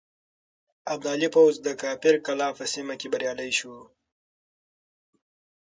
ابدالي پوځ د کافر قلعه په سيمه کې بريالی شو.